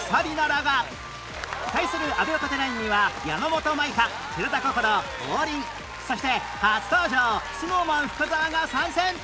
対する阿部若手ナインには山本舞香寺田心王林そして初登場 ＳｎｏｗＭａｎ 深澤が参戦